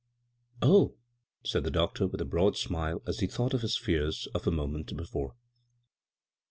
" Oh 1 " said the doctor, with a broad smile, as he thought of his fears of a moment before.